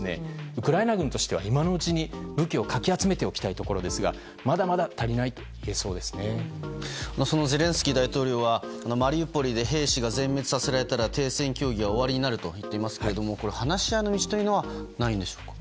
ウクライナ軍としては今のうちに武器をかき集めておきたいところですがまだまだ足りないとそのゼレンスキー大統領はマリウポリで兵士が全滅させられたら停戦協議は終わりになると言ってますが話し合いの道というのはないんでしょうか？